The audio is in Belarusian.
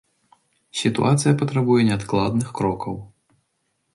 Сітуацыя патрабуе неадкладных крокаў.